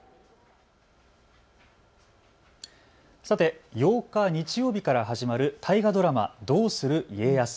さて８日日曜日から始まる大河ドラマ、どうする家康。